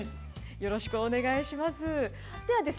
よろしくお願いします。